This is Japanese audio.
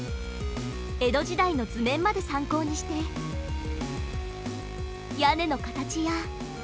江戸時代の図面まで参考にして屋根の形や。